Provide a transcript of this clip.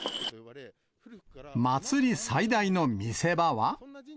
祭り最大の見せ場は。